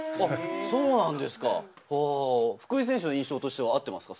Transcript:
そうなんですか、福井選手の印象としては合ってますか？